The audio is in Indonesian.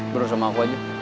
berusaha sama aku aja